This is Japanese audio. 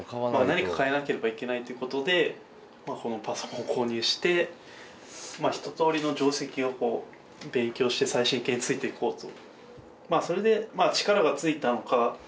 何か変えなければいけないっていうことでこのパソコンを購入して一とおりの定跡を勉強して最新形についていこうと。